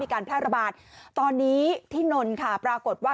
การแพร่ระบาดตอนนี้ที่นนท์ค่ะปรากฏว่า